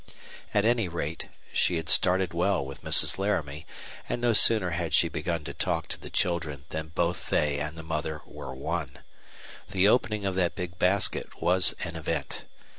At any rate, she had started well with Mrs. Laramie, and no sooner had she begun to talk to the children than both they and the mother were won. The opening of that big basket was an event.